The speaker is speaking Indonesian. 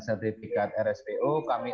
sertifikat rspo kami